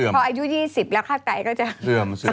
พออายุ๒๐แล้วค่าไตก็จะเสื่อมเสีย